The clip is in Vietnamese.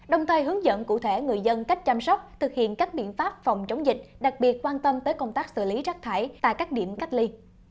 đồng thời hướng dẫn cụ thể người dân cách chăm sóc thực hiện các biện pháp phòng chống dịch đặc biệt quan tâm tới công tác xử lý rác thải tại các điểm cách ly